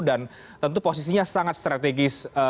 dan tentu posisinya sangat strategis